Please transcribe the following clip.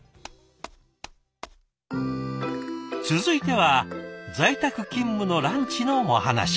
続いては在宅勤務のランチのお話。